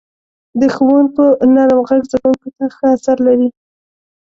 • د ښوونکو نرم ږغ زده کوونکو ته ښه تاثیر لري.